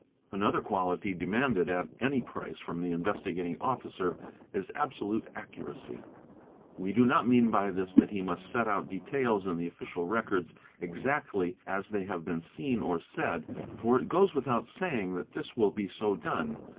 _. Another quality demanded at any price from the Investigating Officer _ is absolute accuracy. We do not mean by this that he must set out details in the official records exactly as they have been seen or said, for it ~ goes without saying that this will be so done.